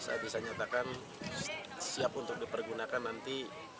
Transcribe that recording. saya bisa nyatakan siap untuk dipergunakan nanti